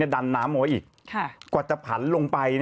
ดันน้ำเอาไว้อีกกว่าจะผันลงไป